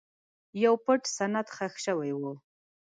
یو پټ سند ښخ شوی و.